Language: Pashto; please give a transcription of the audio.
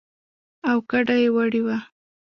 او کډه يې وړې وه.